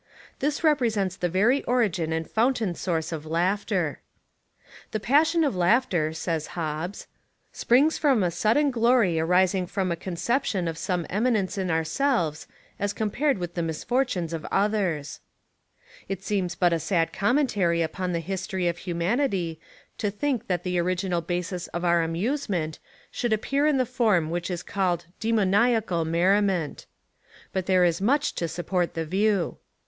This represents the very origin and fountain source of laughter. "The passion of laughter," says Hobbes, "springs from a sudden glory arising from a conception of some eminence In our selves, as compared with the misfortunes of others," It seems but a sad commentary upon the history of humanity to think that the origl To6 A7nerican Humour nal basis of our amusement should appear in the form which Is called demoniacal merriment. But there Is much to support the view.